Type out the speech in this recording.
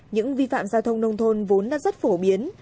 những vi phạm giao thông nông thôn vốn đã rất phổ biến